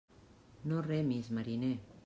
No remis, mariner.